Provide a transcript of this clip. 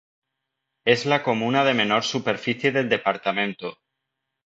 Es la comuna de menor superficie del departamento.